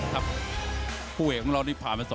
ครับผู้เอกของเรานี่ผ่านมา๒ยกครับ